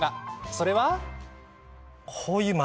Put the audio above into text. それは。